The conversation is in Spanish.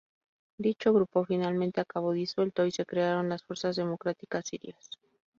Dicho grupo finalmente acabó disuelto y se crearon las Fuerzas Democráticas Sirias.